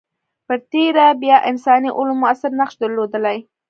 په تېره بیا انساني علوم موثر نقش درلودلی.